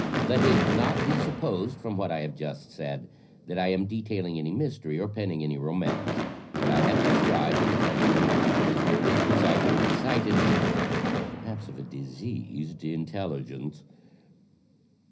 Let it not be supposed, from what I have just said, that I am detailing any mystery, or penning any romance. What I have de scribed in the Frenchman was merely the result of an excited, or perhaps of a diseased, intelligence."